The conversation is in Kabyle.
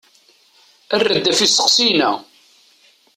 Err-d f isteqsiyen-a.